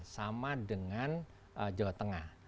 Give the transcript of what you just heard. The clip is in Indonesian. sama dengan jawa tengah